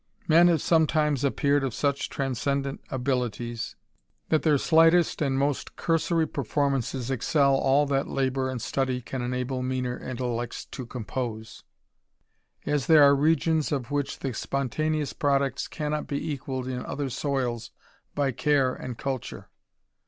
Men have sometimes appeared of such transcendent abilities, that their slightest and most cursory performan( excel all that labour and study can enable meaner intellect's to compose ; as there are regions of which the spontaneous^ products cannot be equalled in other soils by care an(^B culture.